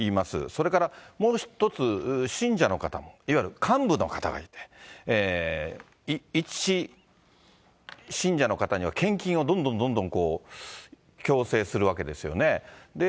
それからもう一つ、信者の方、いわゆる幹部の方がいて、一信者の方には献金をどんどんどんこう、強制するわけですよね。